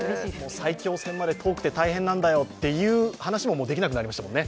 埼京線まで遠くて大変なんだよという話もできなくなりますね。